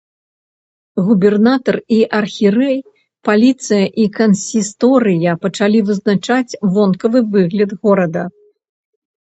Губернатар і архірэй, паліцыя і кансісторыя пачалі вызначаць вонкавы выгляд горада.